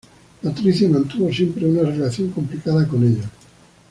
Patricia mantuvo siempre una relación complicada con ellos.